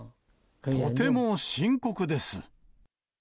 とても深刻です。